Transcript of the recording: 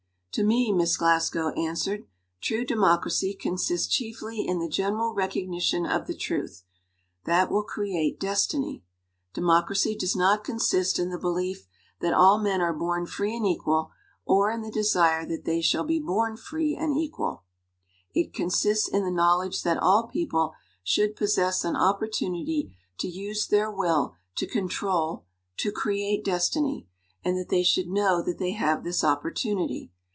"To ' me," Miss Glasgow answered, "true democracy consists chiefly in the general recogni tion of the truth that will create destiny. De mocracy does not consist in the belief that all men are born free and equal or in the desire that they shall be born free and equal. It consists in the knowledge that all people should possess an op portunity to use their will to control to create destiny, and that they should know that they have this opportunity.